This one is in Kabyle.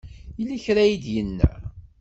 Yella kra ay d-yenna?